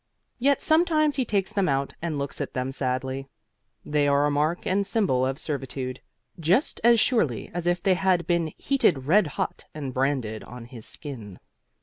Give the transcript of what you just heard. Yet sometimes he takes them out and looks at them sadly. They are a mark and symbol of servitude, just as surely as if they had been heated red hot and branded on his skin.